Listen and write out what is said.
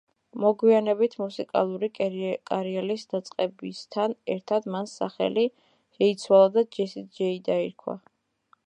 მოგვიანებით მუსიკალური კარიერის დაწყებასთან ერთად მან სახელი შეიცვალა და ჯესი ჯეი დაირქვა.